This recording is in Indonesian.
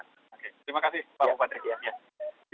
terima kasih pak bupati